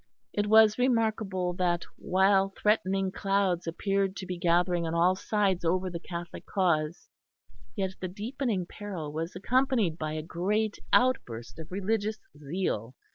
It was remarkable that while threatening clouds appeared to be gathering on all sides over the Catholic cause, yet the deepening peril was accompanied by a great outburst of religious zeal.